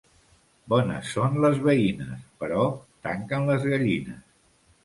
Bones són les veïnes, però tanquen les gallines.